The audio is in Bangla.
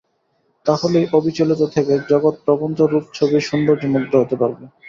তা হলেই অবিচলিত থেকে জগৎপ্রপঞ্চ-রূপ ছবির সৌন্দর্যে মুগ্ধ হতে পারবে।